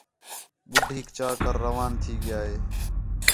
ٻُڈھیک چا کر روان تھی ڳِیا ہِے